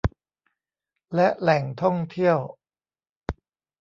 และแหล่งท่องเที่ยว